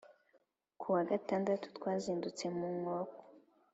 Ku wa Gatandatu, twazindutse mu nkoko